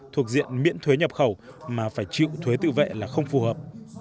thuộc diện miễn thuế nhập khẩu mà phải chịu thuế tự vệ là không phù hợp